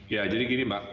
ya jadi gini mbak